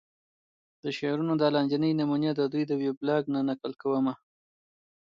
د شعرونو دا لاندينۍ نمونې ددوې د وېبلاګ نه نقل کومه